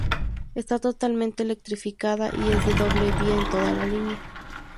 Está totalmente electrificada y es de doble via en toda la línea.